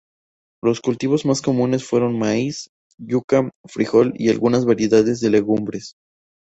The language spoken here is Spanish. Los cultivos más comunes fueron maíz, yuca, frijol, y algunas variedades de legumbres.